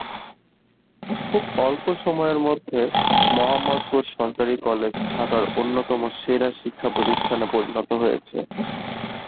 খুব অল্প সময়ের মধ্যে মোহাম্মদপুর সরকারি কলেজ ঢাকার অন্যতম সেরা শিক্ষা প্রতিষ্ঠানে পরিণত হয়েছে।